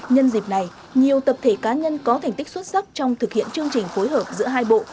nhân dịp này nhiều tập thể cá nhân có thành tích xuất sắc trong thực hiện chương trình phối hợp giữa hai bộ